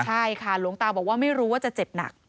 ใช่ค่ะหลวงตาบอกว่าไม่รู้ว่าจะเจ็บหนัก